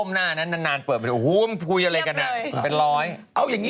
แค่เหงานั่นแหละอย่างนี้